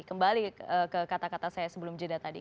kembali ke kata kata saya sebelum jeda tadi